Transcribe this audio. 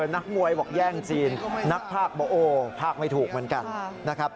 นักมวยบอกแย่งจีนนักภาคบอกโอ้ภาคไม่ถูกเหมือนกันนะครับ